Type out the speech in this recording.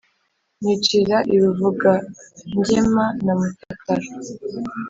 Nicira i Buvugangema na Mutakara,